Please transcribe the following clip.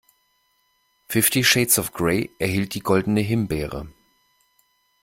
Fifty Shades of Grey erhielt die Goldene Himbeere.